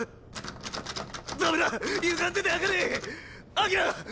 アキラ？